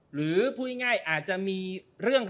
หรือพูดง่ายอาจจะมีเรื่อง